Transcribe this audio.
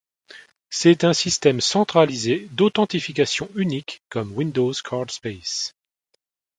C'est un système centralisé d'authentification unique comme Windows CardSpace.